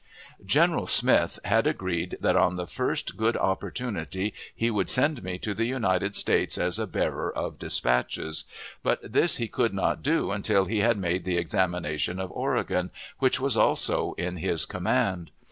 General Smith had agreed that on the first good opportunity he would send me to the United States as a bearer of dispatches, but this he could not do until he had made the examination of Oregon, which was also in his command.